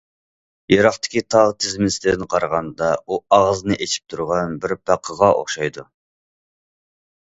يىراقتىكى تاغ تىزمىسىدىن قارىغاندا ئۇ ئاغزىنى ئېچىپ تۇرغان بىر پاقىغا ئوخشايدۇ.